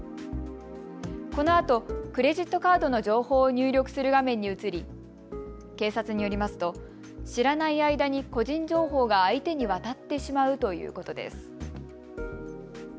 このあとクレジットカードの情報を入力する画面に移り警察によりますと知らない間に個人情報が相手に渡ってしまうということです。